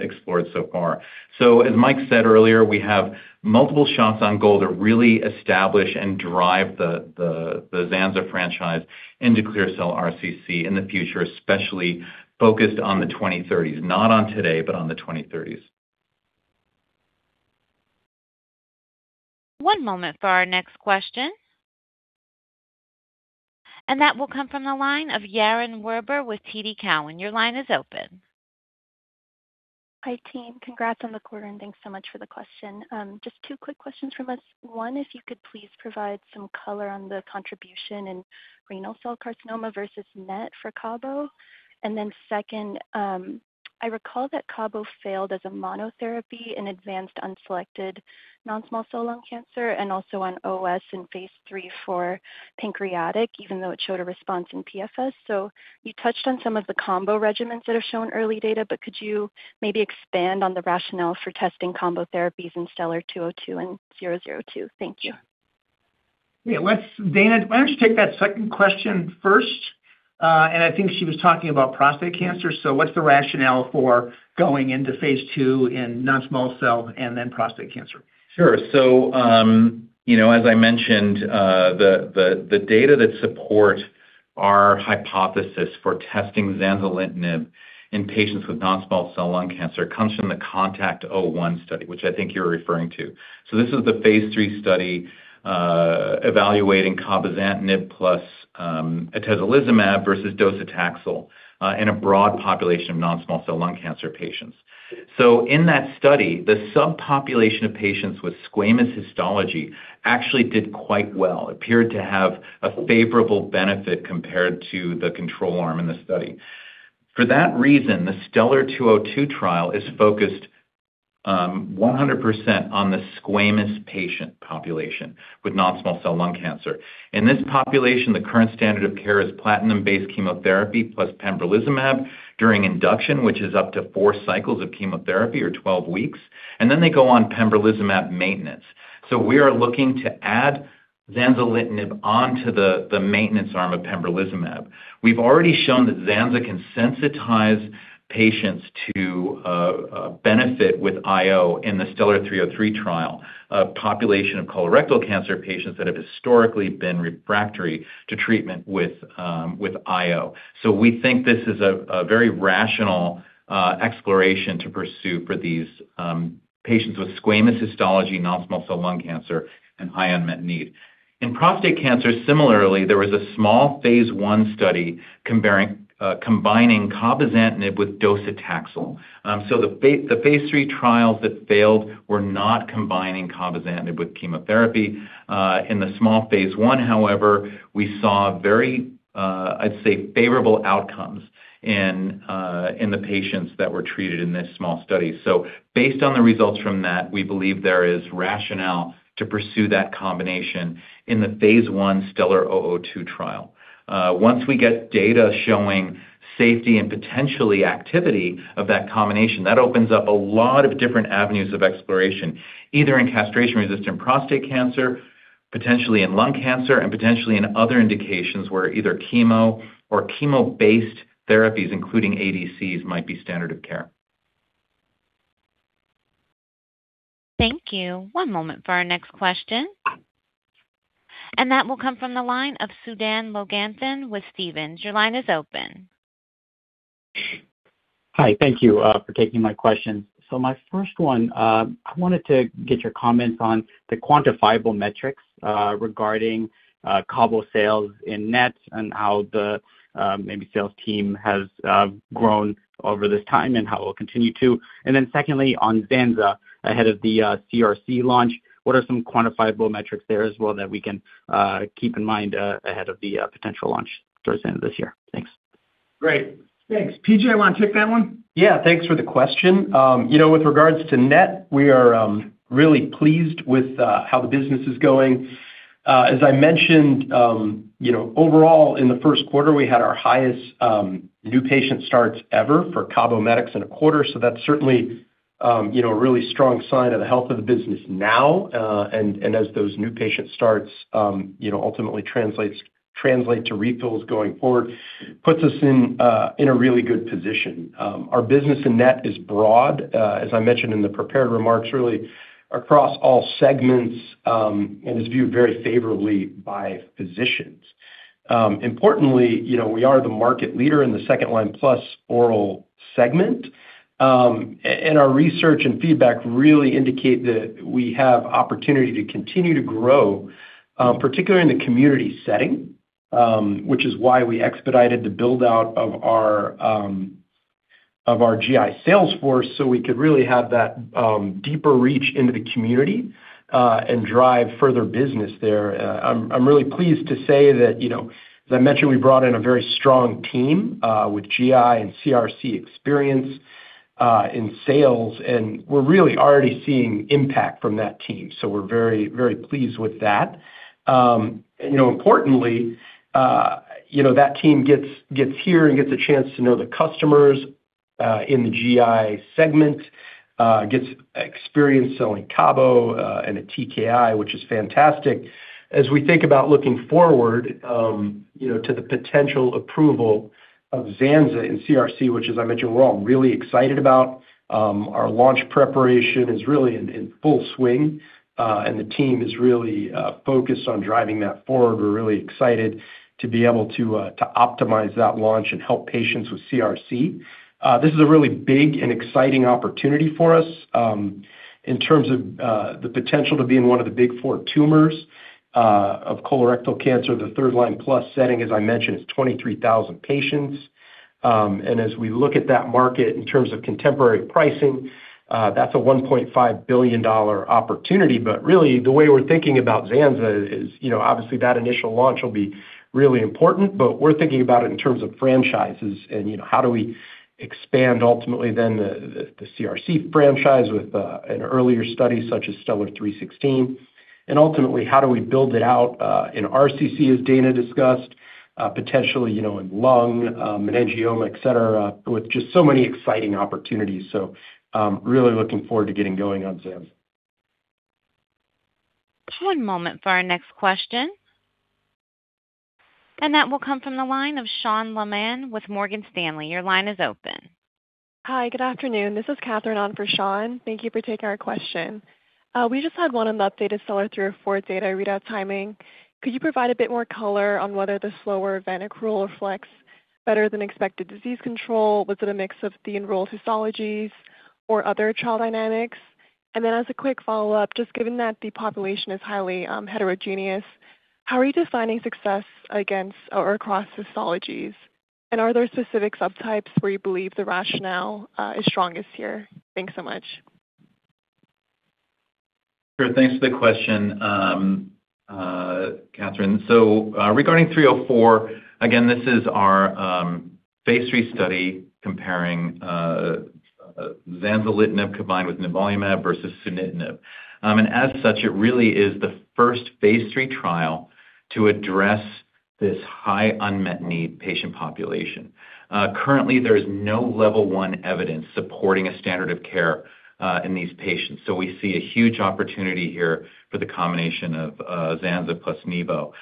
explored so far. As Mike said earlier, we have multiple shots on goal to really establish and drive the ZANZA franchise into clear cell RCC in the future, especially focused on the 2030s. Not on today, but on the 2030s. One moment for our next question. That will come from the line of Yaron Werber with TD Cowen. Your line is open. Hi, team. Congrats on the quarter, thanks so much for the question. Just two quick questions from us. One, if you could please provide some color on the contribution in renal cell carcinoma versus NET for CABO. Second, I recall that CABO failed as a monotherapy in advanced unselected non-small cell lung cancer and also on OS in phase III for pancreatic, even though it showed a response in PFS. You touched on some of the combo regimens that have shown early data, but could you maybe expand on the rationale for testing combo therapies in STELLAR-202 and STELLAR-002? Thank you. Yeah, Dana, why don't you take that second question first? I think she was talking about prostate cancer. What's the rationale for going into phase II in non-small cell and then prostate cancer? Sure. You know, as I mentioned, the data that support our hypothesis for testing zanzalintinib in patients with non-small cell lung cancer comes from the CONTACT-01 study, which I think you're referring to. This is the phase III study evaluating cabozantinib plus atezolizumab versus docetaxel in a broad population of non-small cell lung cancer patients. In that study, the subpopulation of patients with squamous histology actually did quite well, appeared to have a favorable benefit compared to the control arm in the study. For that reason, the STELLAR-202 trial is focused 100% on the squamous patient population with non-small cell lung cancer. In this population, the current standard of care is platinum-based chemotherapy plus pembrolizumab during induction, which is up to four cycles of chemotherapy or 12 weeks, and then they go on pembrolizumab maintenance. We are looking to add zanzalintinib onto the maintenance arm of pembrolizumab. We've already shown that ZANZA can sensitize patients to benefit with IO in the STELLAR-303 trial, a population of colorectal cancer patients that have historically been refractory to treatment with IO. We think this is a very rational exploration to pursue for these patients with squamous histology, non-small cell lung cancer and high unmet need. In prostate cancer, similarly, there was a small phase I study combining cabozantinib with docetaxel. The phase III trials that failed were not combining cabozantinib with chemotherapy. In the small phase I, however, we saw very, I'd say favorable outcomes in the patients that were treated in this small study. Based on the results from that, we believe there is rationale to pursue that combination in the phase I STELLAR-002 trial. Once we get data showing safety and potentially activity of that combination, that opens up a lot of different avenues of exploration, either in castration-resistant prostate cancer, potentially in lung cancer, and potentially in other indications where either chemo or chemo-based therapies, including ADCs, might be standard of care. Thank you. One moment for our next question. That will come from the line of Sudan Loganathan with Stephens. Your line is open. Hi. Thank you for taking my question. My first one, I wanted to get your comments on the quantifiable metrics regarding CABO sales in NET and how the maybe sales team has grown over this time and how it will continue to. Secondly, on ZANZA ahead of the CRC launch, what are some quantifiable metrics there as well that we can keep in mind ahead of the potential launch towards the end of this year? Thanks. Great. Thanks. P.J., you wanna take that one? Yeah, thanks for the question. You know, with regards to NET, we are really pleased with how the business is going. As I mentioned, you know, overall in the first quarter, we had our highest new patient starts ever for CABOMETYX in a quarter. That's certainly, you know, a really strong sign of the health of the business now. As those new patient starts, you know, ultimately translate to refills going forward, puts us in a really good position. Our business in NET is broad, as I mentioned in the prepared remarks, really across all segments, and is viewed very favorably by physicians. Importantly, you know, we are the market leader in the second-line plus oral segment. Our research and feedback really indicate that we have opportunity to continue to grow, particularly in the community setting, which is why we expedited the build-out of our GI sales force, so we could really have that deeper reach into the community and drive further business there. I'm really pleased to say that, you know, as I mentioned, we brought in a very strong team with GI and CRC experience in sales, and we're really already seeing impact from that team. We're very, very pleased with that. You know, importantly, you know, that team gets here and gets a chance to know the customers in the GI segment. Gets experience selling CABO and a TKI, which is fantastic. As we think about looking forward, you know, to the potential approval of ZANZA in CRC, which as I mentioned, we're all really excited about, our launch preparation is really in full swing, and the team is really focused on driving that forward. We're really excited to be able to optimize that launch and help patients with CRC. This is a really big and exciting opportunity for us in terms of the potential to be in one of the big four tumors of colorectal cancer. The third line plus setting, as I mentioned, is 23,000 patients. As we look at that market in terms of contemporary pricing, that's a $1.5 billion opportunity. Really, the way we're thinking about ZANZA is, you know, obviously that initial launch will be really important, but we're thinking about it in terms of franchises and, you know, how do we expand ultimately then the CRC franchise with an earlier study such as STELLAR-316. Ultimately, how do we build it out in RCC, as Dana discussed, potentially, you know, in lung, meningioma, et cetera, with just so many exciting opportunities. Really looking forward to getting going on ZANZA. One moment for our next question. That will come from the line of Sean Lehmann with Morgan Stanley. Your line is open. Hi, good afternoon. This is Catherine on for Sean. Thank you for taking our question. We just had one on the updated STELLAR-304 data readout timing. Could you provide a bit more color on whether the slower event accrual reflects better than expected disease control? Was it a mix of the enrolled histologies or other trial dynamics? As a quick follow-up, just given that the population is highly heterogeneous, how are you defining success against or across histologies? Are there specific subtypes where you believe the rationale is strongest here? Thanks so much. Sure. Thanks for the question, Catherine. Regarding 304, again, this is our phase III study comparing zanzalintinib combined with nivolumab versus sunitinib. As such, it really is the first phase III trial to address this high unmet need patient population. Currently, there is no level one evidence supporting a standard of care in these patients. We see a huge opportunity here for the combination of ZANZA plus nivo.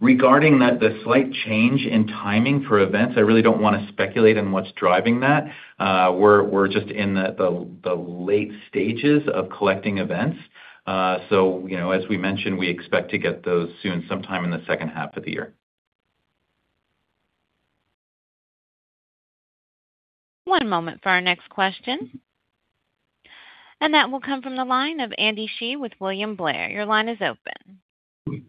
Regarding that, the slight change in timing for events, I really don't wanna speculate on what's driving that. We're just in the late stages of collecting events. You know, as we mentioned, we expect to get those soon, sometime in the second half of the year. One moment for our next question. That will come from the line of Andy Hsieh with William Blair. Your line is open.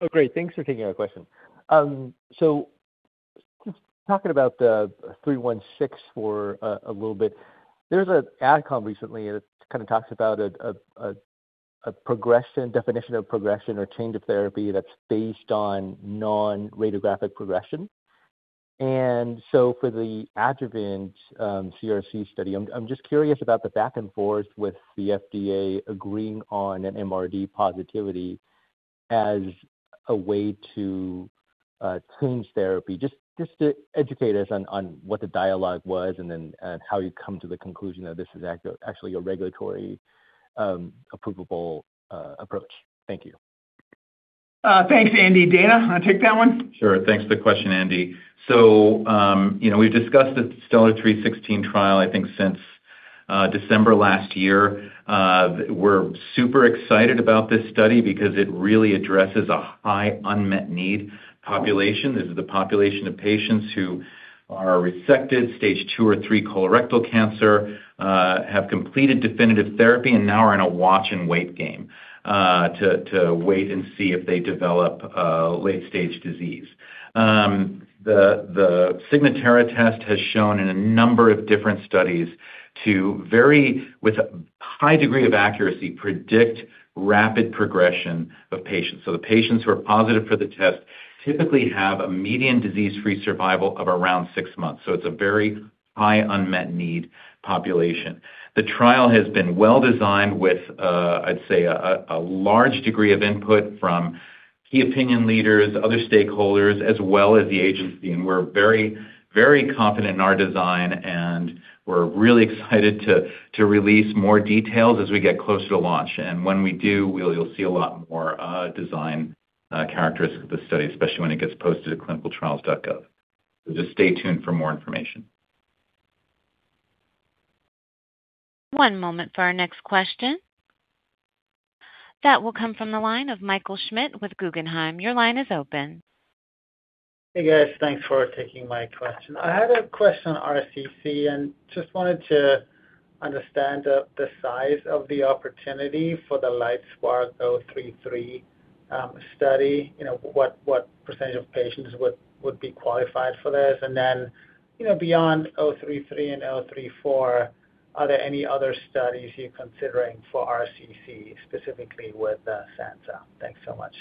Oh, great. Thanks for taking our question. Talking about STELLAR-316 for a little bit, there's an ad comm recently that kind of talks about a progression, definition of progression or change of therapy that's based on non-radiographic progression. For the adjuvant CRC study, I'm just curious about the back and forth with the FDA agreeing on an MRD positivity as a way to change therapy. To educate us on what the dialogue was and then, and how you come to the conclusion that this is actually a regulatory approvable approach. Thank you. Thanks, Andy. Dana, wanna take that one? Thanks for the question, Andy. You know, we've discussed the STELLAR-316 trial, I think, since December last year. We're super excited about this study because it really addresses a high unmet need population. This is the population of patients who are resected stage II or III colorectal cancer, have completed definitive therapy and now are in a watch and wait game, to wait and see if they develop late-stage disease. The Signatera test has shown in a number of different studies with a high degree of accuracy predict rapid progression of patients. The patients who are positive for the test typically have a median disease-free survival of around six months. It's a very high unmet need population. The trial has been well-designed with, I'd say a large degree of input from key opinion leaders, other stakeholders, as well as the Agency. We're very confident in our design, and we're really excited to release more details as we get closer to launch. When we do, you'll see a lot more design characteristics of the study, especially when it gets posted to clinicaltrials.gov. Just stay tuned for more information. One moment for our next question. That will come from the line of Michael Schmidt with Guggenheim. Your line is open. Hey, guys. Thanks for taking my question. I had a question on RCC and just wanted to understand the size of the opportunity for the LITESPARK-033 study. You know, what percent of patients would be qualified for this? You know, beyond LITESPARK-033 and LITESPARK-034, are there any other studies you're considering for RCC specifically with zanzalintinib? Thanks so much.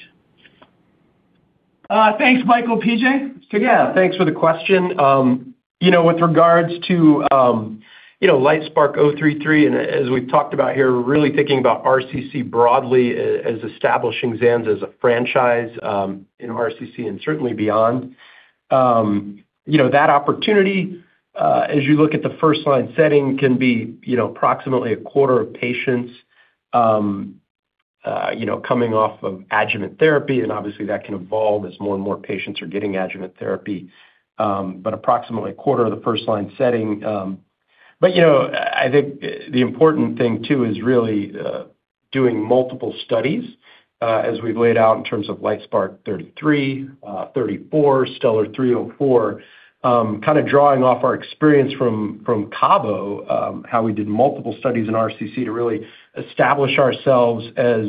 Thanks, Michael. P.J.? Sure. Thanks for the question. You know, with regards to, you know, LITESPARK-033, as we've talked about here, we're really thinking about RCC broadly as establishing ZANZA as a franchise in RCC and certainly beyond. You know, that opportunity, as you look at the first-line setting, can be, you know, approximately a quarter of patients, you know, coming off of adjuvant therapy, and obviously that can evolve as more and more patients are getting adjuvant therapy, approximately a quarter of the first-line setting. You know, I think the important thing too is really doing multiple studies, as we've laid out in terms of LITESPARK-033, LITESPARK-034, STELLAR-304. Kind of drawing off our experience from CABO, how we did multiple studies in RCC to really establish ourselves as,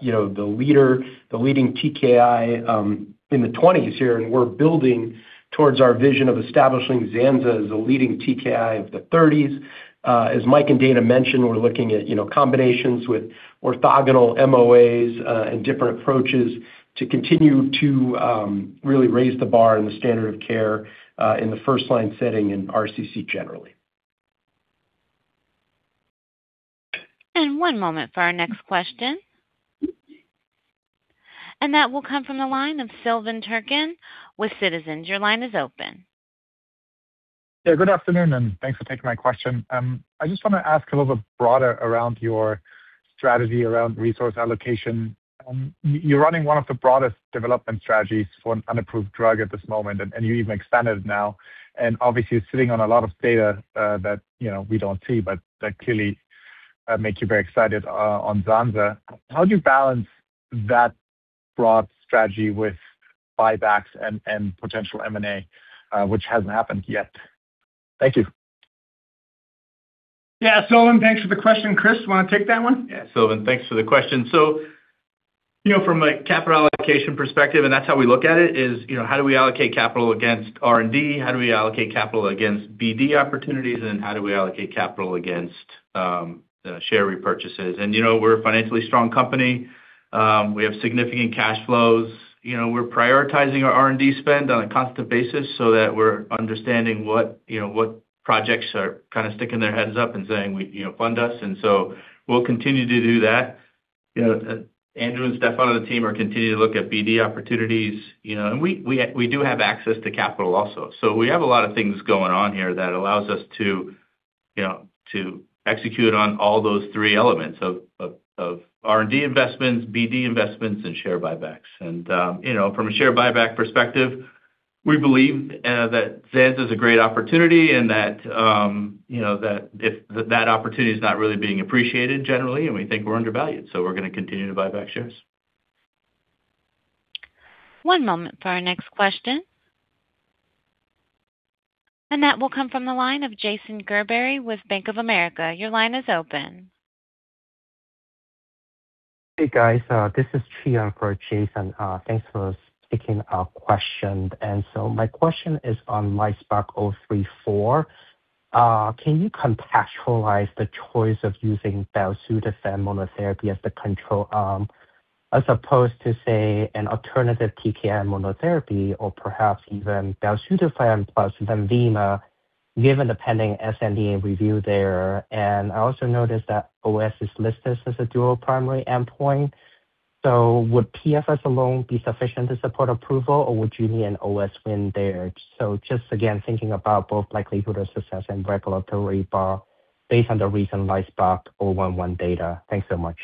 you know, the leader, the leading TKI, in the 20s here. We're building towards our vision of establishing ZANZA as the leading TKI of the 30s. As Mike and Dana mentioned, we're looking at, you know, combinations with orthogonal MOAs, and different approaches to continue to really raise the bar and the standard of care in the first-line setting in RCC generally. One moment for our next question. That will come from the line of Sylvan Turcan with Citizens. Your line is open. Yeah, good afternoon, and thanks for taking my question. I just want to ask a little bit broader around your strategy around resource allocation. You're running one of the broadest development strategies for an unapproved drug at this moment, and you even expanded now. Obviously you're sitting on a lot of data that, you know, we don't see, but that clearly make you very excited on ZANZA. How do you balance that broad strategy with buybacks and potential M&A which hasn't happened yet? Thank you. Yeah. Sylvan, thanks for the question. Chris, want to take that one? Yeah. Sylvan, thanks for the question. You know, from a capital allocation perspective, and that's how we look at it, is, you know, how do we allocate capital against R&D? How do we allocate capital against BD opportunities, and how do we allocate capital against share repurchases? You know, we're a financially strong company. We have significant cash flows. You know, we're prioritizing our R&D spend on a constant basis so that we're understanding what, you know, what projects are kind of sticking their heads up and saying, you know, "Fund us." We'll continue to do that. You know, Andrew and Steph on the team are continuing to look at BD opportunities. You know, we do have access to capital also. We have a lot of things going on here that allows us to, you know, to execute on all those three elements of R&D investments, BD investments, and share buybacks. From a share buyback perspective, we believe that ZANZA is a great opportunity and that, you know, that opportunity is not really being appreciated generally, and we think we're undervalued, so we're going to continue to buy back shares. One moment for our next question. That will come from the line of Jason Gerberry with Bank of America. Your line is open. Hey, guys. This is Chi Young for Jason. Thanks for taking our question. My question is on LITESPARK-034. Can you contextualize the choice of using belzutifan monotherapy as the control arm, as opposed to, say, an alternative TKI monotherapy or perhaps even belzutifan plus LENVIMA, given the pending sNDA review there? I also noticed that OS is listed as a dual primary endpoint. Would PFS alone be sufficient to support approval, or would you need an OS win there? Just again, thinking about both likelihood of success and regulatory bar based on the recent LITESPARK-011 data. Thanks so much.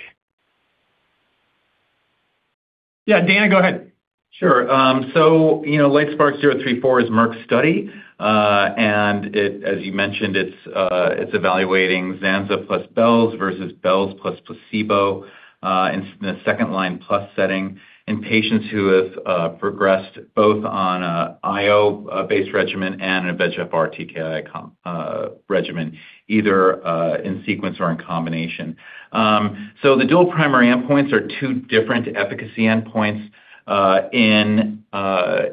Yeah. Dana, go ahead. Sure. You know, LITESPARK-034 is Merck's study. As you mentioned, it's evaluating ZANZA plus belz versus belz plus placebo in the second-line plus setting in patients who have progressed both on IO based regimen and a VEGF-R TKI regimen, either in sequence or in combination. The dual primary endpoints are two different efficacy endpoints.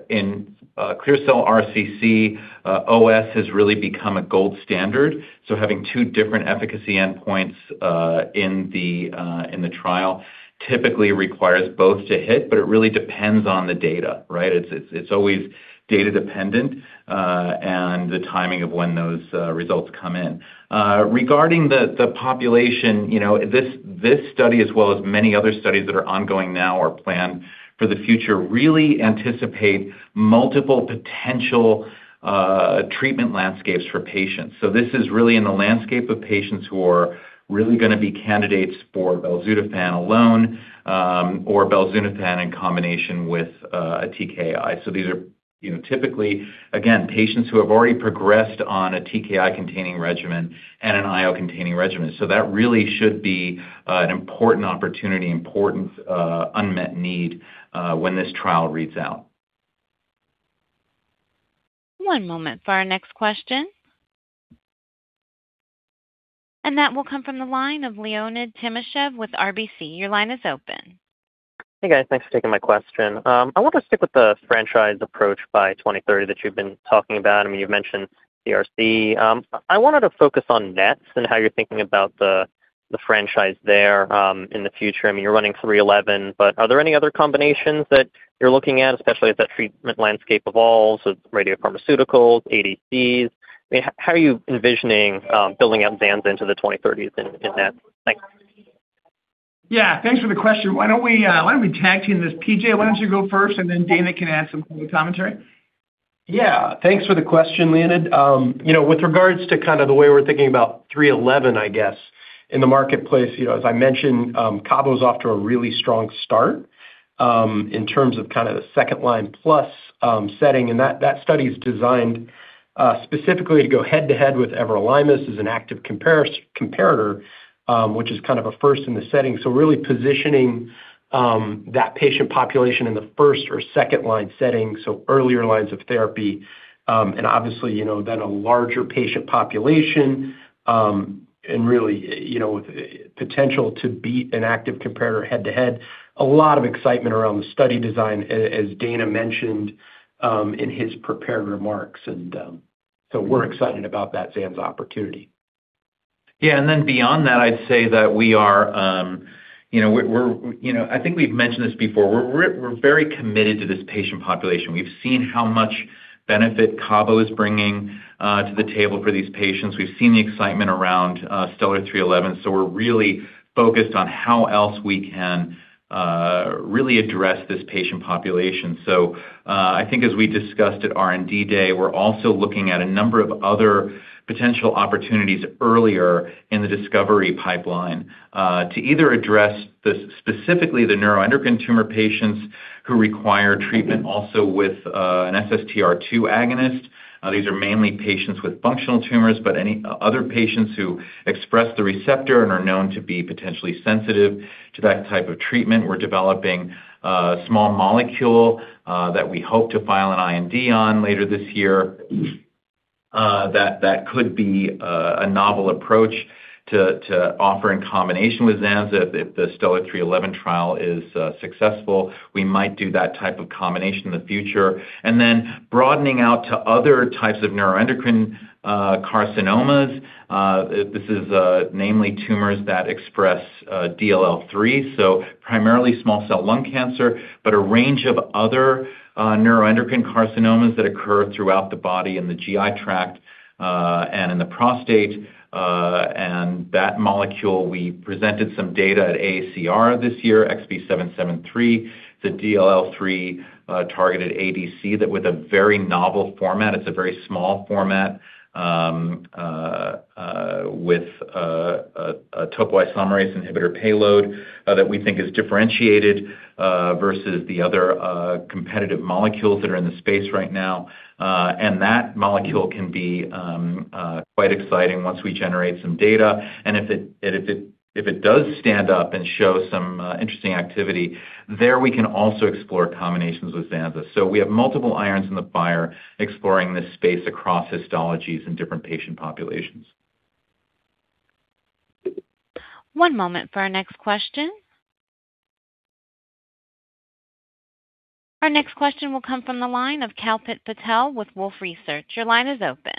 In clear cell RCC, OS has really become a gold standard. Having two different efficacy endpoints in the trial typically requires both to hit, but it really depends on the data, right? It's always data dependent and the timing of when those results come in. Regarding the population, you know, this study as well as many other studies that are ongoing now or planned for the future really anticipate multiple potential treatment landscapes for patients. This is really in the landscape of patients who are really gonna be candidates for belzutifan alone, or belzutifan in combination with a TKI. These are, you know, typically, again, patients who have already progressed on a TKI-containing regimen and an IO-containing regimen. That really should be an important opportunity, important unmet need when this trial reads out. One moment for our next question. That will come from the line of Leonid Timashev with RBC. Your line is open. Hey, guys. Thanks for taking my question. I want to stick with the franchise approach by 2030 that you've been talking about. I mean, you've mentioned CRC. I wanted to focus on NET and how you're thinking about the franchise there in the future. I mean, you're running STELLAR-311, but are there any other combinations that you're looking at, especially as that treatment landscape evolves with radiopharmaceuticals, ADCs? I mean, how are you envisioning building out ZANZA into the 2030s in NET? Thanks. Yeah, thanks for the question. Why don't we tag team this? P.J., why don't you go first, and then Dana can add some commentary. Thanks for the question, Leonid. You know, with regards to kind of the way we're thinking about STELLAR-311, I guess, in the marketplace, you know, as I mentioned, CABO's off to a really strong start in terms of kind of the second-line plus setting. That study is designed specifically to go head-to-head with everolimus as an active comparator, which is kind of a first in the setting. Really positioning that patient population in the first or second line setting, so earlier lines of therapy. Obviously, you know, then a larger patient population, and really, you know, potential to beat an active comparator head-to-head. A lot of excitement around the study design, as Dana mentioned in his prepared remarks. We're excited about that ZANZA opportunity. Yeah. Beyond that, I'd say that we are, you know, I think we've mentioned this before. We're very committed to this patient population. We've seen how much benefit CABO is bringing to the table for these patients. We've seen the excitement around STELLAR-311, we're really focused on how else we can really address this patient population. I think as we discussed at R&D Day, we're also looking at a number of other potential opportunities earlier in the discovery pipeline to either address the, specifically the neuroendocrine tumor patients who require treatment also with an SSTR2 agonist. These are mainly patients with functional tumors, but any other patients who express the receptor and are known to be potentially sensitive to that type of treatment. We're developing a small molecule that we hope to file an IND on later this year. That could be a novel approach to offer in combination with ZANZA. If the STELLAR-311 trial is successful, we might do that type of combination in the future. Broadening out to other types of neuroendocrine carcinomas, this is namely tumors that express DLL3, so primarily small cell lung cancer, but a range of other neuroendocrine carcinomas that occur throughout the body in the GI tract and in the prostate. That molecule, we presented some data at AACR this year, XB773. It's a DLL3 targeted ADC that with a very novel format. It's a very small format with a topoisomerase inhibitor payload that we think is differentiated versus the other competitive molecules that are in the space right now. That molecule can be quite exciting once we generate some data. If it does stand up and show some interesting activity, there we can also explore combinations with ZANZA. We have multiple irons in the fire exploring this space across histologies and different patient populations. One moment for our next question. Our next question will come from the line of Kalpit Patel with Wolfe Research. Your line is open.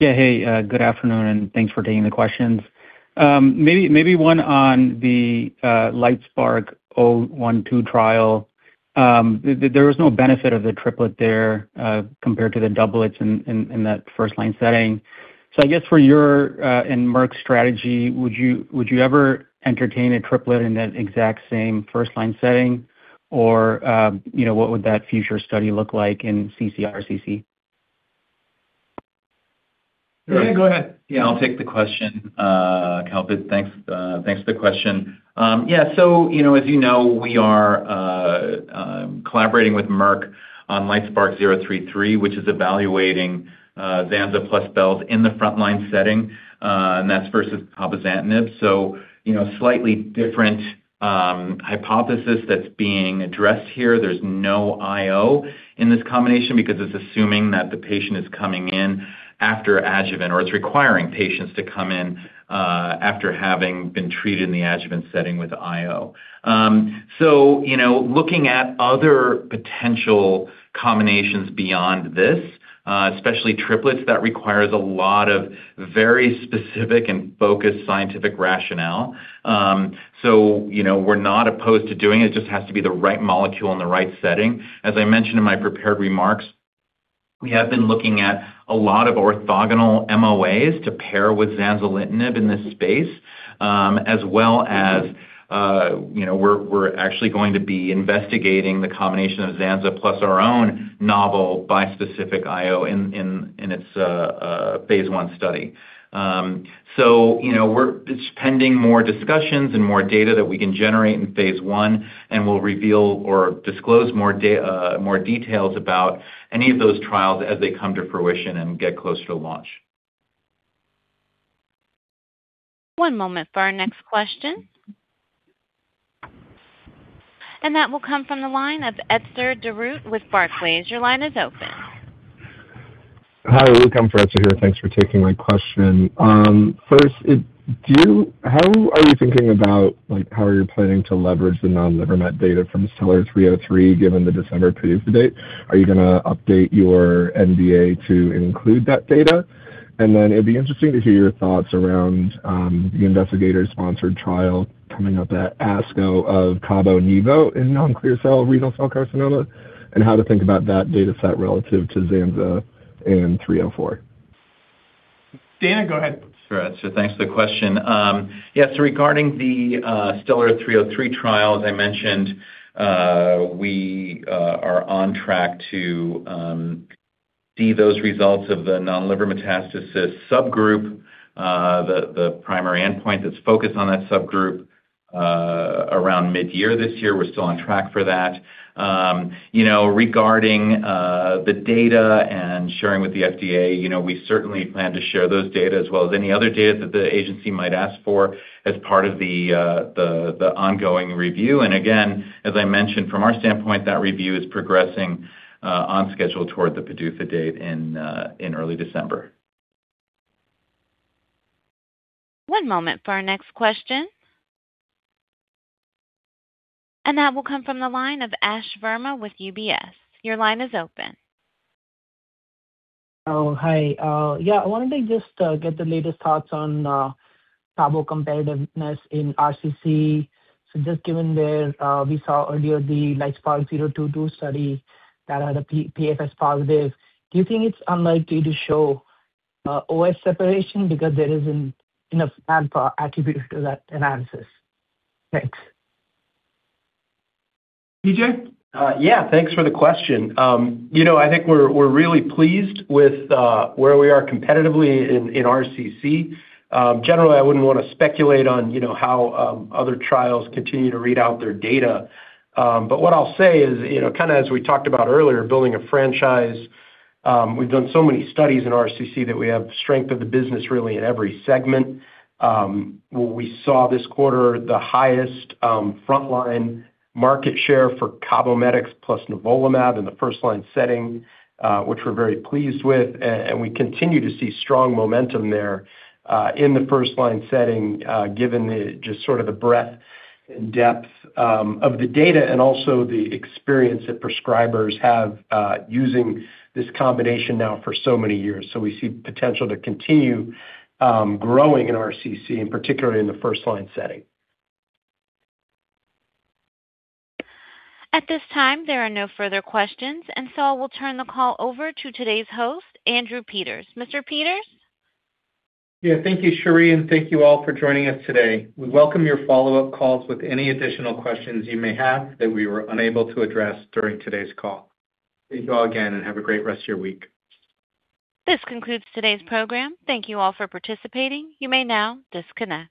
Yeah. Hey, good afternoon, and thanks for taking the questions. Maybe one on the LITESPARK-012 trial. There was no benefit of the triplet there, compared to the doublets in that first line setting. I guess for your, and Merck's strategy, would you ever entertain a triplet in that exact same first line setting or, you know, what would that future study look like in ccRCC? Go ahead. Yeah, I'll take the question, Kalpit. Thanks, thanks for the question. You know, as you know, we are collaborating with Merck on LITESPARK-033, which is evaluating ZANZA plus belz in the frontline setting, and that's versus cabozantinib. You know, slightly different hypothesis that's being addressed here. There's no IO in this combination because it's assuming that the patient is coming in after adjuvant or it's requiring patients to come in after having been treated in the adjuvant setting with IO. You know, looking at other potential combinations beyond this, especially triplets, that requires a lot of very specific and focused scientific rationale. You know, we're not opposed to doing it. It just has to be the right molecule in the right setting. As I mentioned in my prepared remarks, we have been looking at a lot of orthogonal MOAs to pair with zanzalintinib in this space, as well as, you know, we're actually going to be investigating the combination of ZANZA plus our own novel bispecific IO in its phase I study. You know, it's pending more discussions and more data that we can generate in phase I, and we'll reveal or disclose more details about any of those trials as they come to fruition and get close to launch. One moment for our next question. That will come from the line of Esther de Groot with Barclays. Your line is open. Hi, [Luca] for Esther here. Thanks for taking my question. First, how are you thinking about, like, how you're planning to leverage the non-liver met data from STELLAR-303, given the December preview for date? Are you gonna update your NDA to include that data? It'd be interesting to hear your thoughts around the investigator-sponsored trial coming up at ASCO of CABO/nivo in non-clear cell renal cell carcinoma and how to think about that data set relative to ZANZA and STELLAR-304. Dana, go ahead. Sure. Thanks for the question. Regarding the STELLAR-303 trial, as I mentioned, we are on track to see those results of the non-liver metastasis subgroup, the primary endpoint that's focused on that subgroup, around mid-year this year. We're still on track for that. You know, regarding the data and sharing with the FDA, you know, we certainly plan to share those data as well as any other data that the agency might ask for as part of the ongoing review. Again, as I mentioned from our standpoint, that review is progressing on schedule toward the PDUFA date in early December. One moment for our next question. That will come from the line of Ashish Verma with UBS. Your line is open. Oh, hi. Yeah, I wanted to just get the latest thoughts on CABOMETYX competitiveness in RCC. Just given the we saw earlier the LITESPARK-022 study that had a PFS positive. Do you think it's unlikely to show OS separation because there isn't enough sample attributed to that analysis? Thanks. P.J.? Yeah, thanks for the question. You know, I think we're really pleased with where we are competitively in RCC. Generally, I wouldn't wanna speculate on, you know, how other trials continue to read out their data. What I'll say is, you know, kinda as we talked about earlier, building a franchise, we've done so many studies in RCC that we have strength of the business really in every segment. We saw this quarter the highest frontline market share for CABOMETYX plus nivolumab in the first line setting, which we're very pleased with. We continue to see strong momentum there in the first line setting, given the just sort of the breadth and depth of the data and also the experience that prescribers have using this combination now for so many years. We see potential to continue, growing in RCC and particularly in the first line setting. At this time, there are no further questions. I will turn the call over to today's host, Andrew Peters. Mr. Peters? Yeah, thank you, Sheree, and thank you all for joining us today. We welcome your follow-up calls with any additional questions you may have that we were unable to address during today's call. Thank you all again, and have a great rest of your week. This concludes today's program. Thank you all for participating. You may now disconnect.